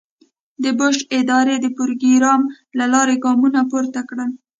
د بوش ادارې د پروګرام له لارې ګامونه پورته کړل.